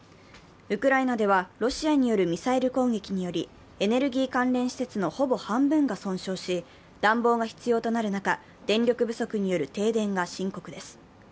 ウクライナでは、ロシアによるミサイル攻撃によりエネルギー関連施設のほぼ半分が損傷し、暖房が必要となる中、電力不足による停電が深刻です。